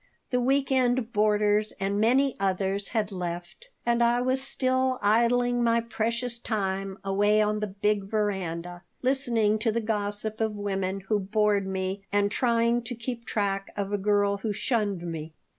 The week end boarders and many others had left, and I was still idling my precious time away on the big veranda, listening to the gossip of women who bored me and trying to keep track of a girl who shunned me.